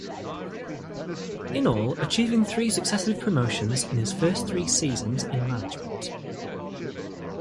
In all achieving three successive promotions in his first three seasons in management.